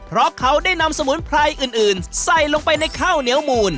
เพราะเขาได้นำสมุนไพรอื่นใส่ลงไปในข้าวเหนียวมูล